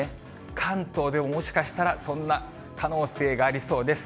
関東でももしかしたらそんな可能性がありそうです。